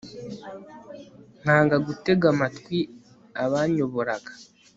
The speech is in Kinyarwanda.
nkanga gutega amatwi abanyoboraga